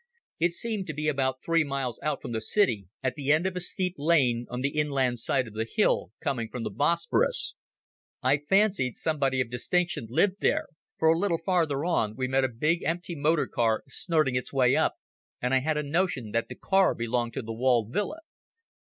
It seemed to be about three miles out from the city, at the end of a steep lane on the inland side of the hill coming from the Bosporus. I fancied somebody of distinction lived there, for a little farther on we met a big empty motor car snorting its way up, and I had a notion that the car belonged to the walled villa.